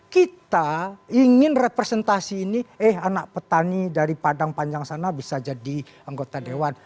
kita ingin representasi ini eh anak petani dari padang panjang sana bisa jadi anggota dewan